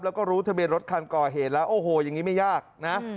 แล้วก็รู้ทะเบียนรถคันก่อเหตุแล้วโอ้โหอย่างนี้ไม่ยากนะ